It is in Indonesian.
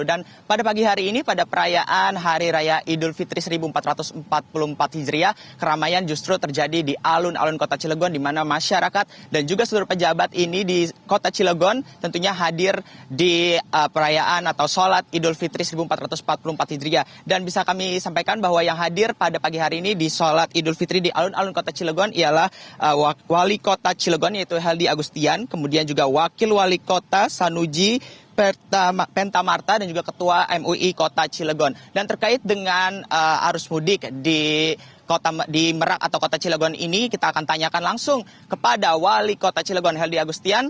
di merak atau kota cilgon ini kita akan tanyakan langsung kepada wali kota cilgon heldy agustian